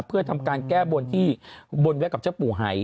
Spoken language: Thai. เพื่อทำการแก้บนที่บนแม้จากจะผู้หาย